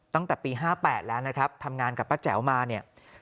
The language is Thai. ตั้งแต่ปี๕๘แล้วนะครับทำงานกับป้าแจ๋วมาเนี่ย